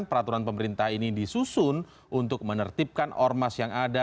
peraturan pemerintah ini disusun untuk menertibkan ormas yang ada